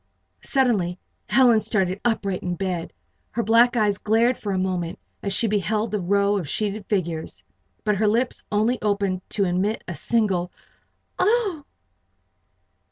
Suddenly Helen started upright in bed. Her black eyes glared for a moment as she beheld the row of sheeted figures. But her lips only opened to emit a single "Oh!"